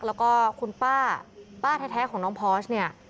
แล้วก็คุณป้าป้าแท้ของน้องพอร์ชเนี่ย